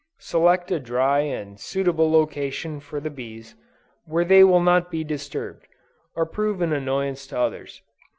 Select a dry and suitable location for the bees, where they will not be disturbed, or prove an annoyance to others.